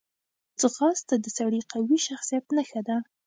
ځغاسته د سړي قوي شخصیت نښه ده